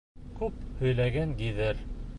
Күп һөйләгән гиҙер.